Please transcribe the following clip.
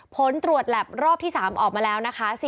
ผลตรวจแหลบรอบที่๓ออกมาแล้วนะคะ